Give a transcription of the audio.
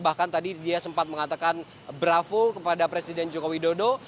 bahkan tadi dia sempat mengatakan bravo kepada presiden jokowi dodo